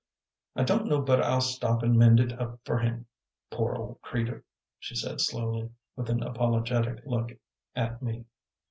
"I don't know but I'll stop an' mend it up for him, poor old creatur'," she said slowly, with an apologetic look at me.